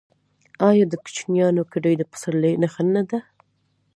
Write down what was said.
آیا د کوچیانو کډې د پسرلي نښه نه ده؟